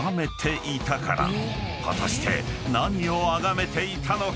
［果たして何をあがめていたのか？］